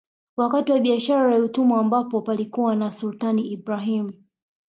Wakati wa Biashara ya Utumwa ambapo palikuwa na Sultani Ibrahim